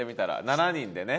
７人でね。